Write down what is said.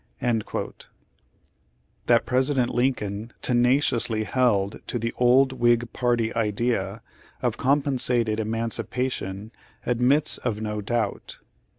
^ That President Lincoln tenaciously held to the old Whig party idea of compensated emancipation admits of no doubt.